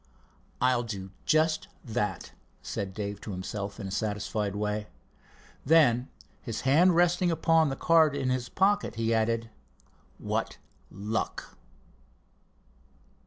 "I'll do just that," said Dave to himself in a satisfied way. Then, his hand resting on the card in his pocket, he added: "What luck!"